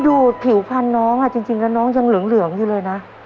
ดูผิวพันธุ์จริงน้องยังเหลืองอยู่เลยนะ